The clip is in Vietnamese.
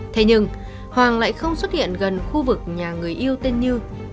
thế nhưng hoàng lại không xuất hiện gần khu vực nhà người yêu tên như